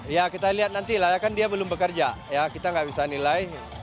ya kita lihat nanti lah ya kan dia belum bekerja ya kita nggak bisa nilai